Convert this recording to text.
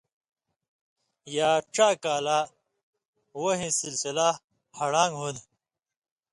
یا ڇا کالہ وحیں سلسلہ ہڑان٘گ ہُوۡندیۡ،